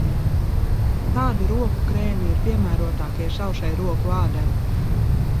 Kādi roku krēmi ir piemērotākie sausai roku ādai?